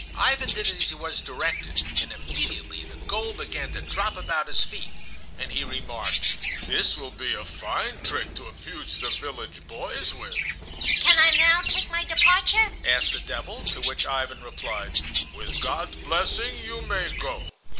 Ivan did as he was directed, and immediately the gold began to drop about his feet; and he remarked: "This will be a fine trick to amuse the village boys with." "Can I now take my departure?" asked the devil, to which Ivan replied, "With God's blessing you may go."